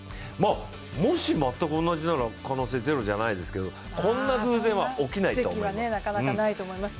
もし全く同じなら、可能性はゼロじゃないですけれども、こんな偶然は起きないと思います。